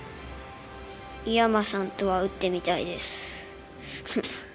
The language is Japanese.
井山さんとは打ってみたいです。